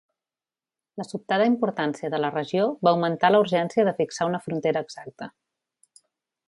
La sobtada importància de la regió va augmentar la urgència de fixar una frontera exacta.